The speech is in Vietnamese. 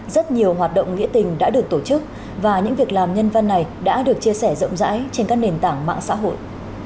rất nhiều hoạt động nghĩa tình đã được tổ chức và những việc làm nhân văn này đã được chia sẻ rộng rãi trên các nền tảng mạng xã hội